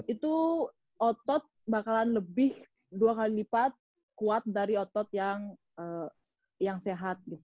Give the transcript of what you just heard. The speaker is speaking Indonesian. itu otot bakalan lebih dua kali lipat kuat dari otot yang sehat